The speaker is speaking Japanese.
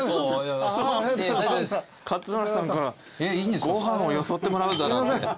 勝村さんからご飯をよそってもらうだなんて。